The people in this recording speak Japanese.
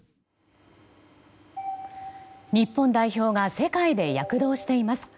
日本代表が世界で躍動しています。